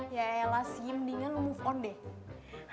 ya elah simdingan move on deh